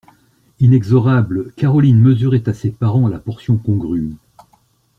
Inexorable, Caroline mesurait à ses parents la portion congrue.